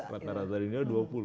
rata rata real dua puluh